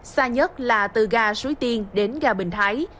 xa nhất là từ ga suối tiên đến ga bình thái